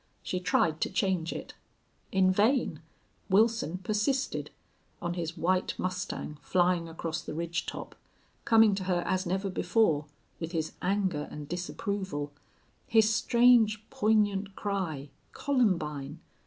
She tried to change it. In vain! Wilson persisted on his white mustang flying across the ridge top coming to her as never before with his anger and disapproval his strange, poignant cry, "Columbine!"